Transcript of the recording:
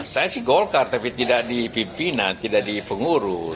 saya sih golkar tapi tidak dipimpinan tidak dipengurus